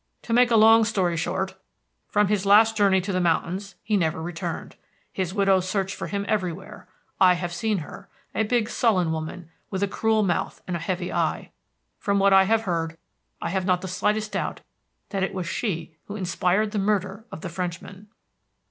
To make a long story short, from his last journey to the mountains he never returned. His widow searched for him everywhere; I have seen her a big sullen woman, with a cruel mouth and a heavy eye. From what I have heard, I have not the slightest doubt that it was she who inspired the murder of the Frenchman.